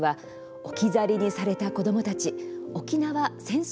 「置き去りにされた子どもたち沖縄戦争